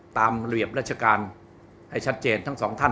ระเบียบราชการให้ชัดเจนทั้งสองท่าน